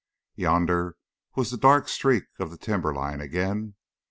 Yonder was the dark streak of the timberline again.